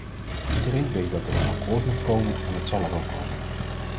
Iedereen weet dat er een akkoord moet komen en het zal er ook komen.